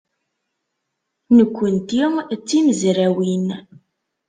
Nekkenti d timezrawin.